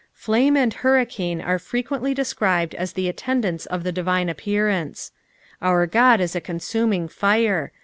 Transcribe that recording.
Flame and hurricane are frequently described as the attendants of the divine appearance. " Our God is a consuming fire."